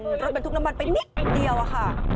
รถบรรทุกน้ำมันไปนิดเดียวอะค่ะ